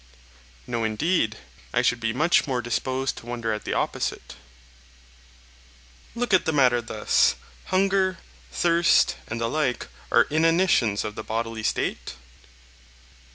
No, indeed; I should be much more disposed to wonder at the opposite. Look at the matter thus:—Hunger, thirst, and the like, are inanitions of the bodily state?